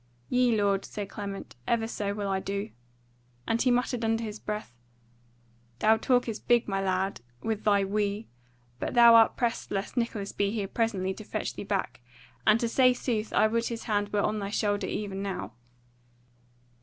"Yea, lord," said Clement, "even so will I do." And he muttered under his breath; "Thou talkest big, my lad, with thy 'we'; but thou art pressed lest Nicholas be here presently to fetch thee back; and to say sooth I would his hand were on thy shoulder even now."